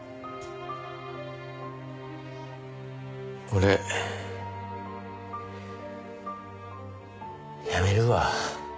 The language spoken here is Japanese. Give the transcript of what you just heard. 俺辞めるわ。